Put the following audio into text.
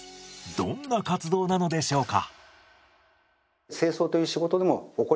どんな活動なのでしょうか？